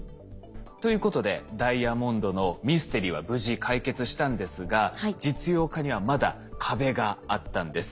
ということでダイヤモンドのミステリーは無事解決したんですが実用化にはまだ壁があったんです。